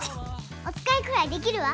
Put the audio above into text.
おつかいくらいできるわ。